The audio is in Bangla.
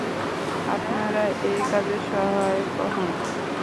আপনারা এ কাজে সহায় হোন।